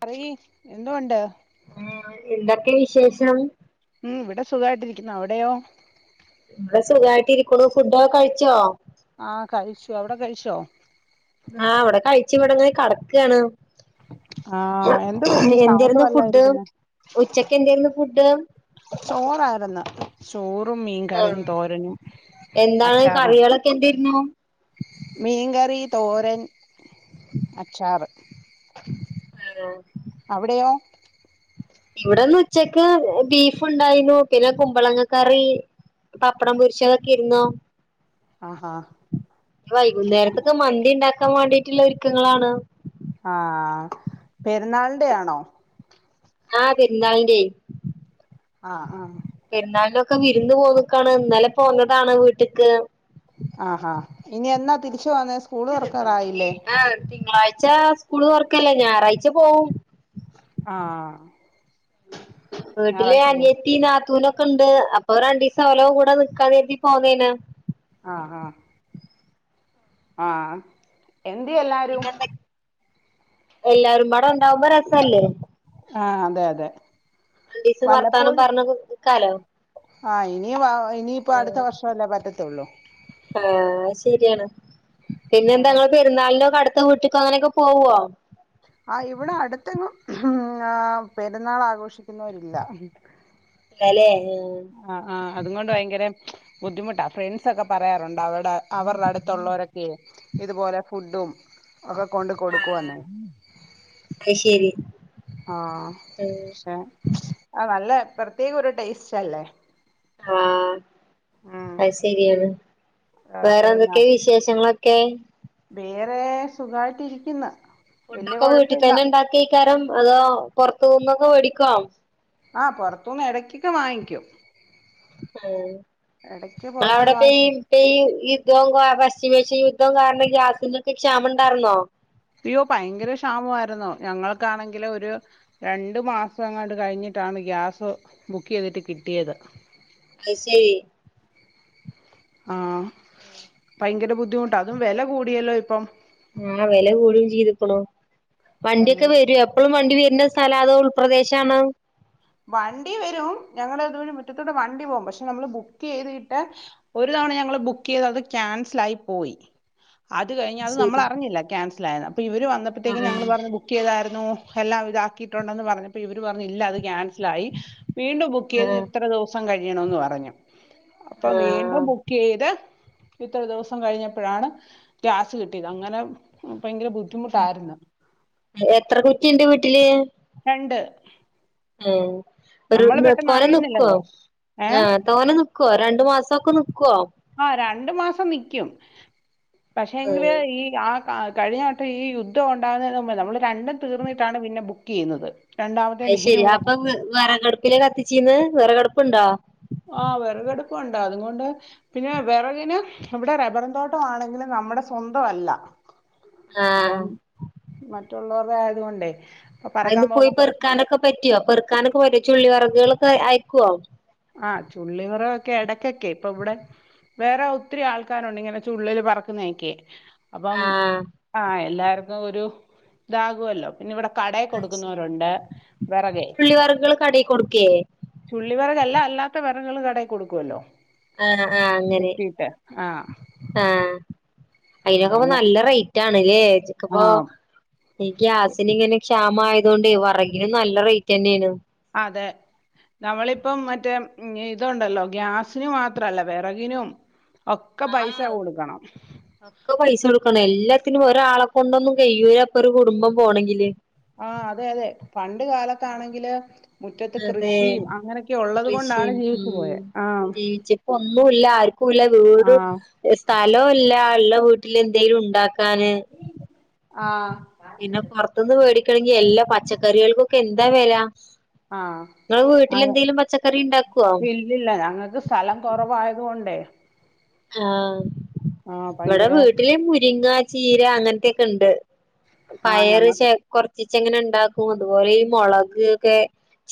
പറയ്യി എന്ത്‌ണ്ട് ആ എന്തൊക്കെ വിശേഷം ഉം ഇവിടെ സുഖായിട്ടിരിക്കുന്നോ അവിടെയോ ഇവിടെ സുഖമായിട്ട് ഇരിക്കുണ് ഫുഡൊക്കെ കഴിച്ചോ ആഹ കഴിച്ചു അവിടെ കഴിച്ചോ ആഹ അവിടെ കഴിച്ചു ഇവിടങ്ങെനെ കട ക്കാണ് ആഹ എന്ത് പറ്റി സൗണ്ട് എന്തായിരുന്നു ഫുഡ് വല്ലായിരിക്ക്ണെ ഉച്ചക്ക് എന്തായിരുന്നു ഫുഡ് ചോറാർന്നു ചോറ് ആ എന്താണ് അച്ചാറും ആണ് കറികളൊക്കെ എന്ത്യര്ന്നു മീൻകറി, തോരൻ അച്ചാറ് ആഹ് അവടെയോ ഇവടെന്നെയുച്ചക്ക് ബീഫ് ഉണ്ടായിരുന്നു പിന്നെ കുമ്പളങ്ങ കറി, പപ്പടം പൊരിച്ചാതൊക്കെർന്നു ആഹാ വൈകുന്നേരത്തൊക്കെ മന്തി ഒണ്ടാക്കാൻ വേണ്ടിട്ട റ്റുള്ള ഒരുക്കങ്ങളാണ് ആാ പെരുന്നാളിന്റെയാണോ ആാ പെരുന്നാളിൻ്റെയേ ആാ ആാ പെരുന്നാളിലൊക്കെ വിരുന്ന് പോന്നാക്കാണ് ഇന്നലെ പോന്നതാണ് വീട്ടക്ക് തിരിച്ച് വന്നോ സ്കൂൾ തോറ ആാ തിങ്കളാഴ്ച സ്കൂള് തുറക്ക്യാല്ലേ ഞായറാഴ്ച ച്ചു പോവും ആ വീട്ടില് അനിയത്തിയും നാത്തുനും ഒ ഒക്കണ്ട് അപ്പം രണ്ടിസം അവലെ കുടെ നിക്കാൻകരുതി പോന്നോനി ആാ ആാ ആാ എന്തിയോ എല്ലാരും എല്ലാരുംപാട ഉണ്ടാവുമ്പം രസല്ലേ ആാ അതെ അതെ രണ്ടീസം വർത്താനം വല്ലപ്പോഴും പറഞ്ഞ് നിക്കാലോ ആാ ഇനി വാ ഇനിയിപ്പം അടുത്താ വർഷല്ലോ പറ്റത്തേ [unintelligible] ആാ ശെരിയാണ് പിന്നാ എട എന്താങ്ങെള് പെരുന്നാളിനോ കട അടത്താ വീട്ടിക്ക് അങ്ങനെയൊക്കെ പോവോ ആ ഇവടെ അടുത്തെങ്ങും ഉം ആ പെരുന്നാൾ ആഘോഷിക്കുന്നവെരില്ല അല്ലോ ആാ ആാ അതും കൊണ്ട് ഭയങ്കരെ ബുദ്ധിമുട്ടാ ഫ്രണ്ട്സ് ഒക്കെ പറയാറുണ്ടേ അവടെ അവരെടെ അടുത്തുള്ളവരൊക്കെ ഇതുപോലെ ഫുഡും ഒക്കെ കൊണ്ട് ആഹ് കൊടുക്കുവെന്ന് അത് ശരി ആാ പശെ ആ നല്ലേ പ്രത്യേകം ഒരു ടേസ്റ്റ് അല്ലോ ആാ അത് ശെരിയാണ് ആഹ് വേറെ പെരുന്നാ എന്തൊക്കെ വിശേഷങ്ങളെ ഏ വേറെ സുഖമായിട്ട് ഇരിക്കുന്ന് ഫുഡൊക്കെ വീട്ടിൽ തന്നെ ഉണ്ടാക്കി വെക്കാരും അതോ പുറത്തു നിന്നൊക്കെ വെടിക്കോ ആ പുറത്തനിന്ന് ഇടക്കൊക്കെ വാങ്ങിക്കും എടക്ക് ആ പൊറത്തുന്ന് അവിടെക്കെ വാങ്ങിക്കും ഇപ്പം യുദ്ധംകാര പശ്ചിമേഷൻ യുദ്ധം കാരണം ഗ്യാസും കുറ്റിക്ക് ക്ഷാമം ഉണ്ടായിരുന്നോ അയ്യോ ഭയങ്കര ക്ഷാമമായിന്നോ ഞങ്ങൾക്കാണെങ്കില ഒരു രണ്ടു മാസംങ്ങാണ്ട് കഴിഞ്ഞിട്ടാണ് ഗ്യാസ് ബുക്ക് ചെയ്തിട്ട് കിട്ടിയത് അത് ശരി ആ ഭയങ്കര ബുദ്ധിമുട്ട് ആ അതും വില കൂടിയല്ലോ ഇപ്പം ആ വില കൂടിയും ചെയ്തിക്കുണു എല്ല വണ്ടിയൊക്കെ വരൂ എപ്പളും വണ്ടി വ- വരുന്ന സ്ഥല അതോ ഉൾപ്രദേശണ് വണ്ടി വരും ഞങ്ങടെ ഇതു വഴി മുറ്റത്തോടെ വണ്ടി പോകവും പക്ഷെ നമ്മൾ ബുക്ക് ചെയ്തിട്ട് ഒരു തവണ ഞങ്ങള് ബുക്ക് ചെയ്ത് അത് ക്യാൻസൽ ആയി പോയി അത് കഴിഞ് അത് ശരി നമ്മളറിഞ്ഞില്ല ക്യാൻസൽ ആ അപ്പോ ഇവര് വന്നപ്പോഴത്തേക്ക് ആഹ് ഞങ്ങള് പറഞ് ബുക്ക് ചെയ്തായിരുന്നു എല്ലാം ഇതാക്കിയിട്ടുണ്ടെന്ന് പറഞ്ഞപ്പോൾ ഇവർ പറഞ്ഞു ഇല്ല അതു ക്യാൻസൽ - മനസ്സിലായി വീണ്ടും ബുക്ക് ചെയ്ത് ആഹ് ഇത്ര ദിവസം കഴിയണംന്ന് പറഞ്ഞു അപ്പൊ ആഹ് വീണ്ടും ബുക്ക് ചെയ്ത്- ഇത്ര ദിവസം കഴിഞ്ഞപ്പോഴാണ് ഗ്യാസ് കിട്ടിയത് അങ്ങനെ ഭയങ്കര ബുദ്ധിമുട്ടായിരുന്നു ഉം എത്ര കുറ്റിണ്ട് വീട്ടില് രണ്ട് ഏഹ് നമ്മൾ ഒരൂന്ന് പെട്ടെന്ന് ക്കോനെ നിക്കൊ. അറിയുന്നില്ലല്ലോ ഏ ആഹ് തോനെ നിക്കോ രണ്ടുമാസൊക്കെ നിക്കോ ആഹ് രണ്ടു മാസം നിക്ക്യും. പക്ഷേങ്കില് ആഹ് ഈ ആഹ് ആ കഴിഞ്ഞ വട്ടം ഈ യുദ്ധം ഉണ്ടാകുന്നെ മുമ്പ് നമ്മള് രണ്ടും തീർന്നിട്ടാണ് പിന്നെ ബുക്ക് ചെയ്യുന്നത് രണ്ടാമത്തെ അയ് ശരി തീരുമ്പോഴാണ് അപ്പൊ ബുക്ക് ചെയ്യുന്നത് വിറകടുപ്പില കത്തിച്ചീന്ന് വിറകടുപ്പുണ്ടോ ആ വിറകടുപ്പുണ്ട് അതുകൊണ്ട് പിന്നെ വിറകിന് ഇവിടെ റബറിൻ തോട്ടമാണെങ്കിലും നമ്മുടെ സ്വന്ത അല്ല ആഹ് അപ്പം മറ്റ ള്ളൊരുടെ ആയതുകൊണ്ടേ അപ്പൊ അതിന്ന് പറക്കാൻ പോയി പോകുമ്പോൾ പെറുക്കാനൊക്കെ പറ്റുവോ പെറുക്കനൊക്കെ പറ്റോ ചുള്ളി വെറകുകൾ അയക്കോ ആഹ ചുള്ളിവെറൊക്കെ ഇടക്കക്കെ ഇപ്പൊ ഇവിടെ വേറെ ഒത്തിരി ആൾക്കാരോണ്ട് ഇങ്ങനെ ചുള്ളല് പറക്കുന്നൊക്കെ അപ്പം ആഹ് ആ എല്ലാ എല്ലാവർക്കും ഒരു ഇതാകുമല്ലോ പിന്നെ ഇവിടെ കട അത് ശരി കൊടുക്കുന്നവരുണ്ട് വിറകെ ചുള്ളി വറകുകൾ കടയിൽ കൊടുക്കേ ചുള്ളിവെറക് അല്ലാത്ത വിറകുകൾ കടയിൽ കൊടുക്കുവല്ലോ ആ ആ അങ്ങനെ വെട്ടിയിട്ട് ആഹ് ആ ആഹ് ഐനൊക്കെപ്പം അങ്ങ നല്ല റൈറ്റാ കാണ്ലേ ആഹ് [unintelligible] ഈ ഗ്യാസിനിങ്ങനെ ക്ഷാമായതോണ്ട് വെറകിനും നല്ല റൈറ്റന്നേണ് അതെ നമ്മളിപ്പം മറ്റേ ഇതുണ്ടല്ലോ ഗ്യാസിന് മാത്രല്ല വിറകിനും ഒക്കെ പൈസ ആഹ് കൊടുക്കണം ഒക്കെ പൈസ കൊടുക്കണം എല്ലത്തിനും ഒരാളെ കൊണ്ടൊന്നും കയ്യൂലപ്പോ ഒരു കുടുംബം പോണങ്കില് ആ അതെ അതെ പണ്ട് കാലത്താണങ്കില് മുറ്റത്ത് അതെ കൃഷിയും അങ്ങനെയൊക്കെ ഉള്ളത് കൊണ്ടാണ് കൃഷിയും ജീവിച്ചു പോയേ ആ എല്ലാരും വീട് സ്ഥല സ്ഥലൂല്ല ള്ളവീട്ടില് എന്തെേലുണ്ടാക്കാന് ആ പിന്നെ പുറത്ത്ന്ന് മേടി ണെങ്കി എല്ലാ പച്ചക്കറികൾകൊക്കെ എന്താ വെല ആ ഇങ്ങള് അ വീട്ടിലെന്തേലും പച്ചക്കറി ഇണ്ടാക്കുവോ ഇല്യല്ല ഞങ്ങക്ക് സ്ഥലം കുറവായത്കൊണ്ടേ ആ ആഹ് വടെ ഭയങ്കര വീട്ടില് മുരിങ്ങാ ചീര അങ്ങൻത്തെക്കെണ്ട് ആഹ് പയറ് ഞങ്ങ ചെ കൊറ ത്തിച്ചെങ്ങനെണ്ടാക്കും അതുപോലെ ഈ മൊളക് ക്കേ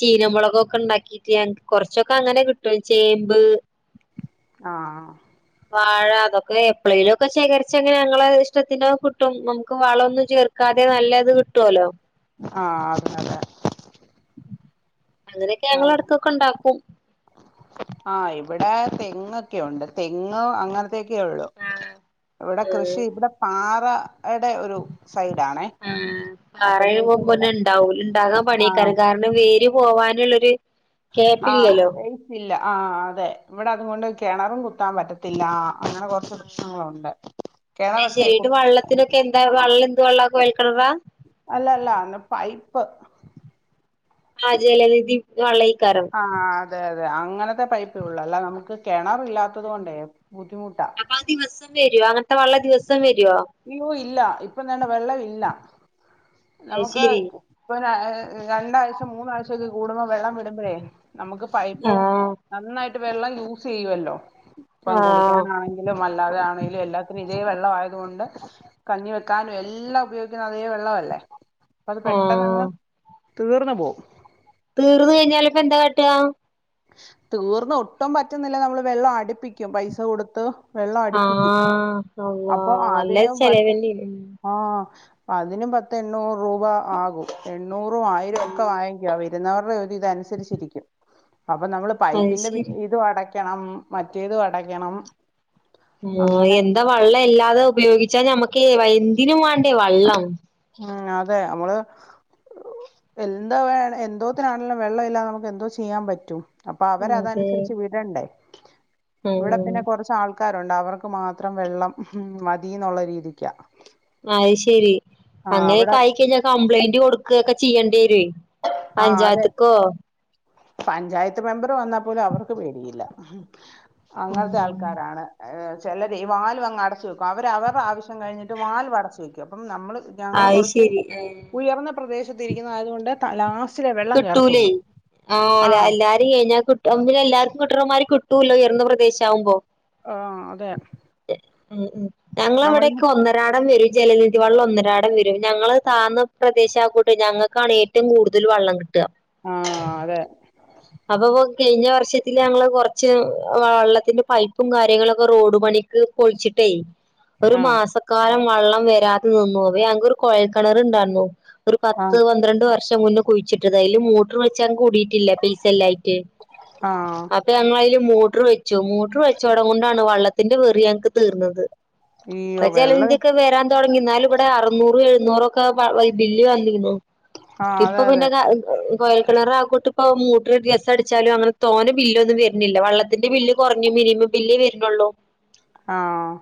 ചീഞ്ഞ മൊളകൊക്കെണ്ടാക്കീട്ട് ഞൻ കൊറച്ചൊക്കെങ്ങനെ കിട്ടും ചേമ്പ് ആഹ് പ്ലേലൊക്കെ ശേഖരിച്ചങ്ങനെ [unintelligible] ഞങ്ങളെ ഇഷ്ടത്തിനോ കിട്ടും നമുക്ക് വളൊന്നു ചേർക്കാതെ നല്ലത് കിട്ടോല്ലോ ആഹ് അ ത് അതെ അങ്ങനെയൊക്കെ നല്ല ഞങ്ങളട്ക്കക്കെണ്ടാക്കും ആഹ് ഇവിടെ തെങ്ങൊക്കെയുണ്ട് തെങ്ങ് അങ്ങനെ ക്കെക്കെയുള്ളൂ ഇവ്ടെ ആഹ് കൃഷി ഇവ്ടെ പാ വ ആഹ് പറയു [unintelligible] അപ്പഴത്തേക്കും ഇവിടെ മ്പന്നെണ്ടാവൂ ണ്ടാകാൻ പണ്യേക്കാരം കാരണം വേര് പോവാന്ള്ളരു ആ പേച്ചില്ല ആ അതെ ഇവിടെ അതോണ്ട് കിണറും കുത്താൻ പറ്റത്തില്ലാ അങ്ങനെ കുറച്ച് പ്രശ്നങ്ങളുണ്ട് അ കിണറൊക്കെ കു ശെരിട്ട് വെള്ളത്തിനൊക്കെ എന്താ വെള്ളം എന്ത്‌ വെള്ള [unintelligible] അല്ല അല്ല അന്ന് പൈ പ്പ് ആ ജലനിധി വള്ളെയ്കാരം ആഹ് അതെ അതെ അങ്ങനത്തെ പൈപ്പേയുള്ളൂ അല്ലാതെ നമ്മുക്ക് കിണറില്ലാത്തതുകൊണ്ടേ ബുദ്ധിമുട്ടാ വരും അങ്ങനത്തെ വെള്ളം ദിവസം വരും അയ്യോ ഇല്ല ഇപ്പൊന്താണ്ടെ വെള്ളം ഇല്ലാ അത് നമുക്ക് ശരി ഇപ്പോ അ രണ്ടാഴ്ച്ച മൂന്നാഴ്ച്ച ഒക്കെ കൂടുമ്പോ വെള്ളം വിടുമ്പോഴേ നമുക്ക് പൈപ്പ് ആഹ് നന്നായിട്ട് വെള്ളം യൂസ് ചെയ്യുമല്ലോ ഇപ്പം ആഹ് കുളിക്കാനാണെങ്കിലും അല്ലാതെ ആണെങ്കിലും എല്ലാത്തിനും ഈ വെള്ളമായതുകൊണ്ട് കഞ്ഞി വെക്കാനും എല്ലാം ഉപയോഗിക്കുന്ന അതേ വെള്ളവല്ലേ അപ്പത് ആഹ് പെട്ടെന്നങ്ങ് തീർന്നു പോവും. തീർന്ന് കഴിഞ്ഞാല് ഇപ്പ എന്താ പറ്റ്യ തീർന്ന് ഒട്ടും പറ്റുന്നില്ല നമ്മള് വെള്ളം അടുപ്പിക്കും പൈസ കൊടുത്ത്. വെള്ളം അടുപ്പിക്കും ആഹ അള്ളാ അപ്പൊ നല്ല അതിന് പത്ത് ചെലവല്യ അതിന് ആ അതിനും പത്ത് എണ്ണൂറ് രൂപ ആകും എൺ എണ്ണൂറും ആയിരം ഉം ഒക്കെ വാങ്ങിക്കും അത് എന്നവരുടെ ഒരു ഇതനുസരിച്ചിരിക്കും. അപ്പൊ നമ്മള് അത് പൈപ്പിന്റെ പി ശരി ഇത് അടയ്ക്കും യ്ക്കണം, മറ്റേതും അടയ്ക്കണം. ആ അങ്ങനെ എന്താ വള്ളം ഇല്ലാതെ ഉപയോഗിച്ചാ ഞമ്മക്കെ വൈൻ തിനും വേണ്ടേ വള്ളം ഉ അതെ നമ്മള്, [unintelligible] എന്തോ വേണേ, എന്തോത്തിനാണേലും വെള്ളമില്ലാതെ നമ്മുക്ക് എന്തോ ചെയ്യാൻ പറ്റും. അപ്പൊ അവര് അതെ അതനുസരിച്ച് വിടണ്ടേ ഇവിടെ ആഹ് പിന്നെ കുറച്ച് ആൾ ആൾക്കാരുണ്ട്, അവർക്ക് മാത്രം വെള്ളം മതി എന്നുള്ള രീതിക്കാ ആ അവിടെ അങ്ങനെയ്ക്കായി കഴിഞ്ഞ കംപ്ലയിന്റ് കൊടു ക്ക് ഒക്കെ ചെയ്യേണ്ടി വരേ ആ അതെ പഞ്ചായത്ത്ക്കോ പഞ്ചായത്ത് മെമ്പറ് വന്നാ പോലും അവർക്ക് പേടിയില്ല. അങ്ങനത്തെ ഉം ആൾക്കാരാണ്, ഏഹ് ചിലരെ വാൽവങ്ങടച്ച് വെക്കും, അവര് അവർടെ ആവശ്യം കഴിഞ്ഞിട്ട് വാൽവ് അടച്ച് വെക്കും, അപ്പം നമ്മള് ഞങ്ങള് അത് കൊറച്ച് ശരി ഏഹ് ഉയർന്ന പ്രദേശത്തിരിക്കുന്നതായതുകൊണ്ട് തലാസ് കിട്ടൂലേ ആഹ് ലാ എല്ലാരും കഴിഞ്ഞാ കിട്ടുങ്കിലെല്ലാർക് ങ്ങിട്ടർമാര് കിട്ടൂല്ലോ, ഉയർന്ന പ്രദേശാകുമ്പോ ആഹ അതെ ഉം ഉം ഞങ്ങള നമ്മളിങ്ങ് അവിടേക്ക് ഒന്നരാടം വര് ജലനിധി വള്ളം ഒന്നരാടം വരും ഞങ്ങള് താന്ന പ്രദേശം ആക്കൂട്ട് ഞങ്ങക്കാണ് ഏറ്റവും കൂടുതൽ വെള്ള ട്ട്ക ആഹ് അതെ അപ്പൊപോ കയിഞ്ഞ വർഷത്തില് ഞങ്ങള് കൊറച്ച് ആഹ് വെള്ളത്തിന്റെ പൈപ്പും കാര്യങ്ങളൊക്കെ റോഡ്പണിക്ക് കൊഴിച്ചിട്ടേ ഒരു ആഹ് മാസക്കാലം വള്ളം വരാതെ നിന്നുപോവ്വെ, ങ്ങക്കൊരു കൊഴൽക്കിണറ് ഇ ണ്ടാർന്നു. ഒരു പത്ത് ആഹ് പന്ത്രണ്ട് വർ ശം കുന്ന് കുഴിച്ചിട്ട് റ്റെതായാലും മോട്ടറ് വെച്ചാ കൂട്ടിറ്റില്ല പൈസല്ലായിറ്റ് ആഹ് അപ്പ നമ്മളയില് മോട്രൂ വെച്ചോ മോട്രൂ വെച്ചോടം കൊണ്ടാണ് വള്ളത്തിന്റെ വെറിയങ്ങക്ക് തീർന്നത്. അയ്യോ പ്പ വെള്ളം ജലനിധിക്ക വരാ തോടങ്ങിന്നാലു ഇവിടാ അറുന്നൂറ് എഴുന്നൂറൊക്ക വാ വ്വാ ബില്ല് വന്നിരുന്നു ആഹ് അതെ അതെ കോയൽക്കിണറാക്കൊട്ടിപ്പ മൂട്ട്റ് ഒരാസം അടിച്ചാലും അങ്ങന തോനെ ബില്ലോന്നും വര്ന്നില്ല വള്ളത്തിന്റെ ബില്ല് കൊറഞ്ഞ് മിനിമം ബില്ല് വര്നുള്ളൂ ആഹ്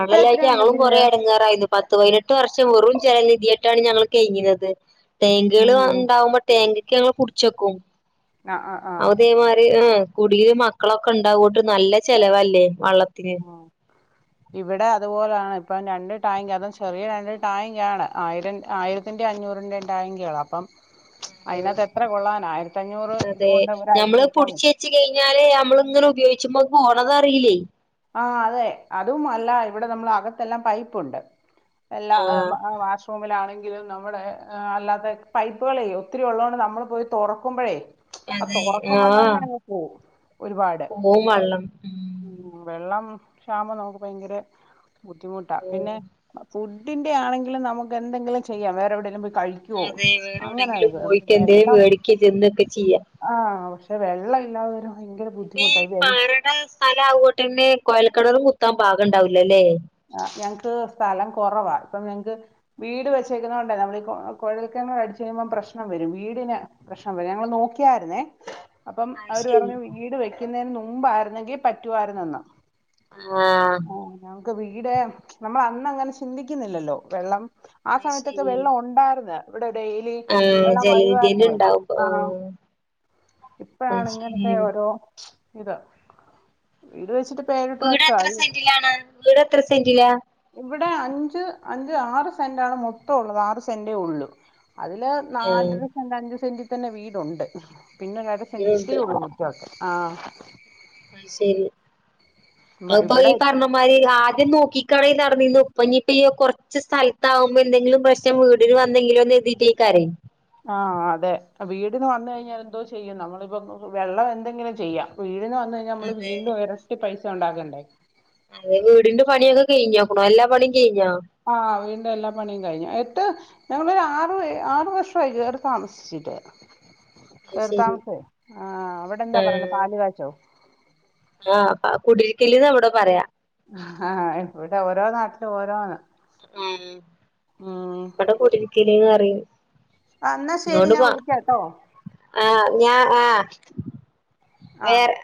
ഇപ്പൊ എത്രയുണ്ട് ഞങ്ങളും കൊറെ ബില്ല് എടങ്ങാറായിനു പത്ത് പതിനെട്ട് വർഷം വെറും ജലനിധിയായിട്ടാണ് ഞങ്ങള് കയ്ഞ്ഞിന്നത് ട്ടേങ്കുകള് വ ഉം എണ്ടാവുമ്പോ ടേങ്കയ്ക്ക് ഞങ്ങള് പുട്ച്ചൊക്കും ആഹ് ആഹ് ആഹ് അതേ മാരി ആഹ് കുടിയില് മക്കളൊക്കെ ഉണ്ടാവൂട്ട് നല്ല ചെലവല്ലേ വള്ളത്തിന് ഇവിടെ അതുപോലാൺ ഇപ്പം രണ്ട് ടാങ്ക് അതും ചെറിയ രണ്ട് ടായ്ങ്ക് ആണ് ആയിരം ആയിരത്തിൻ്റെ അഞ്ഞൂറിൻ്റെ ടായ്ങ്ക്കളപ്പം ഉം ആയിരത്തഞ്ഞൂറ് അതെ ഇതുകൊണ്ട് ഒരാഴ്ച ഞമ്മള് നിക്കാൻ പുടിച്ച് പറ്റോ വെച്ച് കയ്ഞ്ഞാല് ഞമ്മള് ഇങ്ങനെ ഉപയോച്ചുമ്പോ പോണതറിയില്ലേ ആഹ് അതെ അതും അല്ല ഇവിടെ നമ്മളകത്തെല്ലാം പൈപ്പുണ്ട് ആഹ് എല്ലാം അ വാഷ്റൂമിലാണെങ്കി നമ്മുടെ അല്ലാത്ത പൈപ്പുകളേ ഒത്തിരി ഉള്ളത്കൊണ്ട് നമ്മൾ പോയി തുറക്കുമ്പോഴേ ആ അതെ തുറക്കുമ്പം ആഹ് തന്നെ അങ്ങ് പോവും ഒരുപാട് പോവും വള്ളം വെള്ളം ക്ഷാമം നമുക്ക് ഭയങ്കരെ ബുദ്ധിമുട്ടാ ഉം പിന്നെ അ ഫുഡ്ഡിൻ്റെ ആണെങ്കിലും നമുക്കെന്തെങ്കിലും ചെയ്യാം വേറെവിടേലും പോയി കഴിക്കുവോ അതെ വേറെ അങ്ങനെ എവിടെങ്കിലും ഇത് നമുക്ക് പോയിട്ടുണ്ടേൽ വെള്ളം മേടിക്ക തിന്നൊക്കെ ചെയ്യാ ആഹ് പക്ഷെ വെള്ളം ഇല്ലാതവരു ഇപ്പേ പാറട സ്ഥലഅങ്ങോട്ട്‌ ട്ടുണ്ട് കുഴൽക്കിണർ കുത്താൻ പാകം ഉണ്ടാവില്ലല്ലേ? ആ ഞങ്ങക്ക് സ്ഥലം കുറവാ ഇപ്പം ഞങ്ങക്ക് വീട് വെച്ചേക്കുന്നണ്ടെ നമ്മൾ ഈ കുഴൽക്കിണർ അടിിച്ചു കഴിയുമ്പോം പ്രശ്നം വരും വീടിന് പ്രശ്നം വരും ഞങ്ങള് നോക്കിയാരുന്നേ അപ്പം അത് അവര് ശരി പറഞ്ഞു വീട് വെയ്ക്കുന്നതിനു നും മുമ്പായിരുന്നെങ്കിൽ പറ്റുവായിരുന്നെന്ന് ആഹ് വീടെ നമ്മൾ അന്ന് അങ്ങനെ ചിന്തിക്കുന്നില്ലല്ലോ വെള്ളം ആ അത് സമയത്തൊക്കെ ശരിയാണ് വെള്ളം ഉണ്ടായിരുന്നു. ഇവിടെ ഡെയിലി ആഹ് വെള്ളം വരുവാരുന്നു ജലനിധിന്റെ പൈപ്പി ഉണ്ടാവും ആ ആഹ് അത് ഇപ്പഴാണ് ഇങ്ങനത്തെ ശരിയാണ് ഓരോ ശ് ഇതാ വീട്എത്ര സെന്റിലാണ്? വീട് എത്ര സെന്റിലാ? ഇവിടെ അഞ്ച് അഞ്ച് ആറ് സെൻ്റാണ് മൊത്തഉള്ളത് ആറ് സെൻ്റെ ഉള്ളൂ. അതില് ആഹ് നാലര സെൻ്റ്, അഞ്ച് സെന്റ് തിതന്നെ വീടുണ്ട്. പിന്നെ രണ്ട് സെൻ്റ് വീടുണ്ട് ഇച്ചിരിയെ ഒള്ള് മിറ്റഒക്കെ. ആ അതുശരി അ മ ഉപ്പാ ഇവിടെ ഈ പറഞ്ഞമാതിരി ആദ്യം നോക്കിക്കാണെ നടന്നിരുന്ന് ഉപ്പ ഇന്നിപ്പി കൊറ ച്ച് സ്ഥലത്താകുമ്പോ എന്തെങ്കിലും പ്രശ്നം വീടിന് വന്നെങ്കിലോന്ന് കരുതീട്ട ഈ കര ആഹ് അതെ വീടിന് വന്നുകഴിഞ്ഞാൽ എന്തോ ചെയ്യും നമ്മളിപ്പൊ വെള്ളം എന്തെങ്കിലും ചെയ്യാം വീടിന് വ വന്ന് കഴിഞ്ഞാ നമ്മള് അതെ വീണ്ടും ഇരട്ടി പൈസ ഉണ്ടാക്ക [inaudible] അതെ വീടിന്റെ പണിയൊക്കെ കഴിഞ്ഞോക്ണോ എല്ലാ പണിയും കഴിഞ്ഞോ ആഹ് വീടിൻ്റെ എല്ലാ പണിയും കഴിഞ്ഞു എത്ത് ഞങ്ങളൊരു ആറ് ആറ് വർഷവായി കേറി താമസിച്ചിട്ട് അത് ശരി കേർത്താമാസോ ആ അവിടെ എന്താ പറയുന്നെ ആഹ് പാലുകാച്ചോ ആഹ് കുടിർക്കല്ന്നാ ഇവിടെ പറയാ ആ ഇവിടെ ഓരോ നാട്ടിലും ഓരോന്നാ മ് ഇവിടെ കുടിർക്കല് അറിയും ആ എന്നാ [inaudible] ശരി ന്നോണ്ട് ഞാൻ പാ വിളിക്കാട്ടോ ആ ഞാ ആ ആ വേറെ